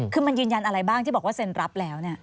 คือมันยืนยันอะไรบ้างที่บอกว่าเซ็นรับแล้ว